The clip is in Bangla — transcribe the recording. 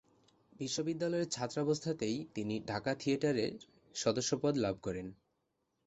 বিশ্ববিদ্যালয়ের ছাত্রাবস্থাতেই তিনি ঢাকা থিয়েটারের সদস্যপদ লাভ করেন।